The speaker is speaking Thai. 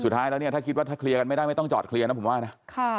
สุดท้ายแล้วเนี่ยถ้าคิดว่าถ้าเคลียร์กันไม่ได้ไม่ต้องจอดเคลียร์นะผมว่านะ